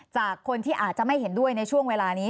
จากคนที่อาจจะไม่เห็นด้วยในช่วงเวลานี้